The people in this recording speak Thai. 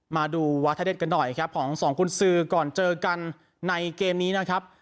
มาดูวาทะเด็ดกันหน่อยครับของสองกุญสือก่อนเจอกันในเกมนี้นะครับ